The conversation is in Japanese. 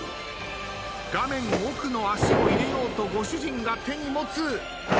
画面奥の足を入れようとご主人が手に持つ。